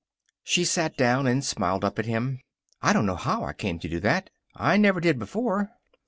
She sat down and smiled up at him. "I don't know how I come to do that. I never did before."